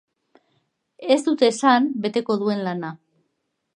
Ez dute esan beteko duen lana.